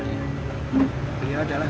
kisah kisah yang terjadi di jakarta